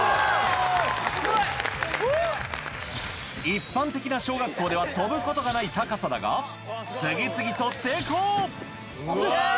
一般的な小学校では跳ぶことがない高さだが次々と成功！